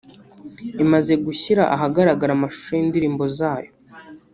imaze gushyira ahagaragara amashusho y’indirimbo zayo